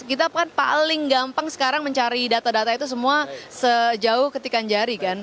kita kan paling gampang sekarang mencari data data itu semua sejauh ketikan jari kan